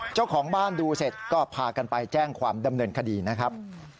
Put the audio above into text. เจ้าของบ้านดูเสร็จก็พากันไปแจ้งความดำเนินคดีนะครับ